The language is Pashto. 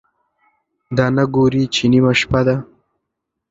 دا نه ګوري چې نیمه شپه ده،